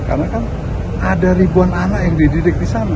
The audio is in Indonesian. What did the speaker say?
karena kan ada ribuan anak yang dididik di sana